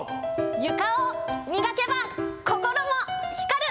床を磨けば、心も光る。